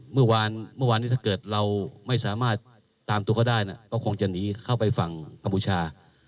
เมื่อวานนี้ถ้าเกิดเราไม่สามารถตามตัวเขาได้ก็คงจะหนีเข้าไปฝั่งกัมพูชา